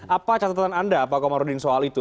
apa catatan anda pak komarudin soal itu